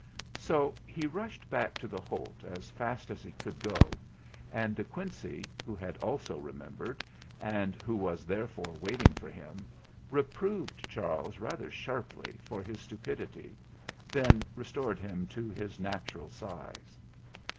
So he rushed back to the Holt as fast as he could go, and De Quincey, who had also re membered, and who was therefore waiting for him, reproved Charles rather sharply for his stupidity; then restored him to his natural size.